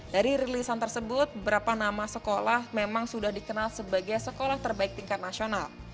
dari rilisan tersebut berapa nama sekolah memang sudah dikenal sebagai sekolah terbaik tingkat nasional